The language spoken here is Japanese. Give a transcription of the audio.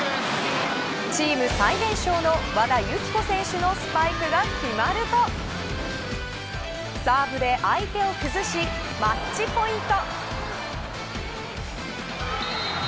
チーム最年少の和田由紀子選手のスパイクが決まるとサーブで相手を崩しマッチポイント。